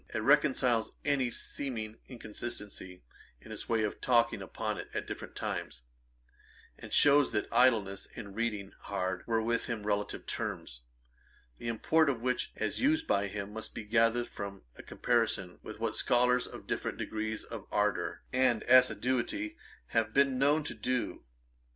It reconciles any seeming inconsistency in his way of talking upon it at different times; and shews that idleness and reading hard were with him relative terms, the import of which, as used by him, must be gathered from a comparison with what scholars of different degrees of ardour and assiduity have been known to do.